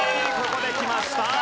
ここできました。